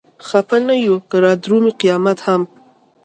خپه نه يو که رادرومي قيامت هم